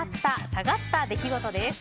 下がった出来事です。